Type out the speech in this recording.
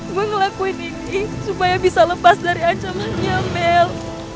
gue ngelakuin ini supaya bisa lepas dari ancamannya mel